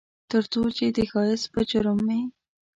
ترڅو چې د ښایست په جرم مې